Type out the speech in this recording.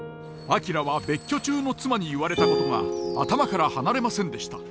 明は別居中の妻に言われたことが頭から離れませんでした。